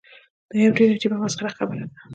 دا یوه ډیره عجیبه او مسخره خبره ده.